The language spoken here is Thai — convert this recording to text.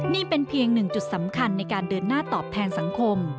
นี่เป็นเพียงหนึ่งจุดสำคัญในการเดินหน้าตอบแทนสังคม